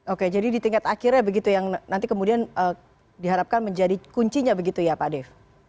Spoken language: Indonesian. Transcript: oke jadi di tingkat akhirnya begitu yang nanti kemudian diharapkan menjadi kuncinya begitu ya pak dev